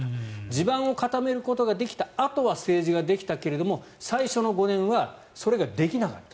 地盤を固めることができたあとは政治ができたけれども最初の５年はそれができなかった。